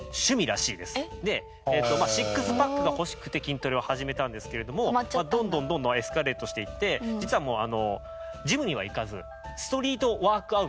でシックスパックが欲しくて筋トレを始めたんですけれどもどんどんどんどんエスカレートしていって実はもうジムには行かずストリートワークアウト一筋。